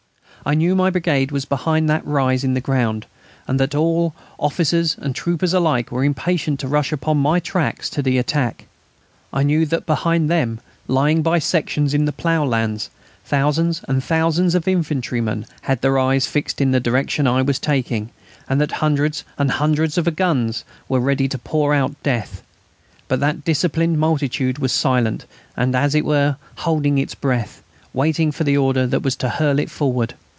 I knew my brigade was behind that rise in the ground, and that all, officers and troopers alike, were impatient to rush upon my tracks to the attack. I knew that behind them, lying by sections in the plough land, thousands and thousands of infantrymen had their eyes fixed in the direction I was taking, and that hundreds and hundreds of guns were ready to pour out death. But that disciplined multitude was silent and, as it were, holding its breath, waiting for the order that was to hurl it forward.